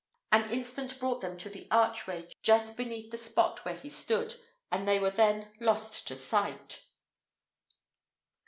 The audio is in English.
An instant brought them to the archway just beneath the spot where he stood, and they were then lost to his sight.